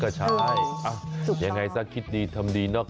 ก็ใช่ยังไงซะคิดดีทำดีเนาะ